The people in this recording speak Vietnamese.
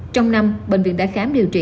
trong năm bệnh viện đã khám điều trị